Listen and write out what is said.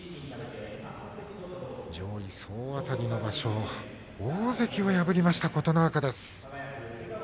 上位総当たりの場所大関を破った琴ノ若。